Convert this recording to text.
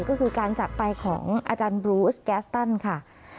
ก็คือการจากไปของอาจารย์บรูสแกสตันค่ะ